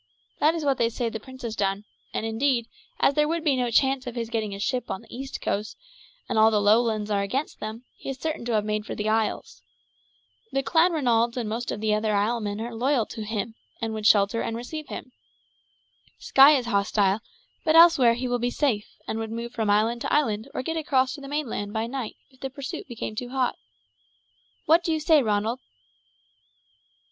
That is what they say the prince has done; and indeed as there would be no chance of his getting a ship on the east coast, and all the Lowlands are against them, he is certain to have made for the isles. The Clanranalds and most of the other islemen are loyal to him, and would receive and shelter him. Skye is hostile, but elsewhere he will be safe, and would move from island to island or get across to the mainland by night if the pursuit became too hot. What do you say, Ronald?"